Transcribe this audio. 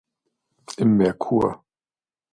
Im „Merkur.